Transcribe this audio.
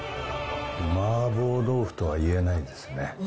麻婆豆腐とは言えないですね。